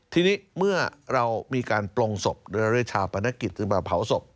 ทีนี้เมื่อเรามีการโปร่งศพด้วยเรื้อชาวประณกิจซึ่งบาปเผาศพ